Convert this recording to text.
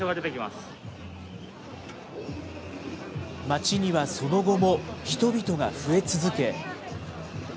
街にはその後も、人々が増え続け。